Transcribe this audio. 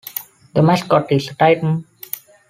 The mascot is a Titan.